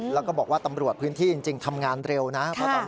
แล้วก็บอกว่าตำรวจพื้นที่จริงทำงานเร็วนะฮะ